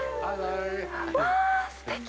わあ、すてき。